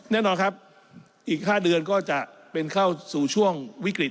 แน่นอนครับอีก๕เดือนก็จะเป็นเข้าสู่ช่วงวิกฤต